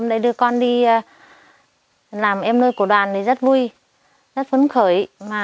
em đã đưa con đi làm em nuôi của đoàn rất vui rất phấn khởi